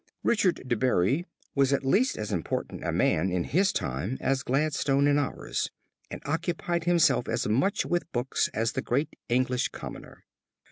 Richard De Bury was at least as important a man in his time as Gladstone in ours, and occupied himself as much with books as the great English commoner.